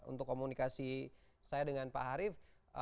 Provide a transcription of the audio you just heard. untuk komunikasi saya dengan pak harif